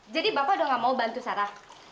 jadi bapak udah gak mau bantu sarah